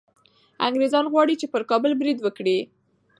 انګریزان غواړي چي پر کابل برید وکړي.